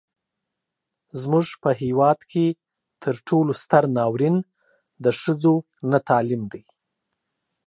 زموږ په هیواد کې تر ټولو ستر ناورين د ښځو نه تعليم دی.